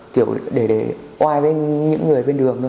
kiểu để oai với những người bên đường thôi